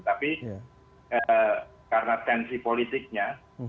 tapi karena tensi politiknya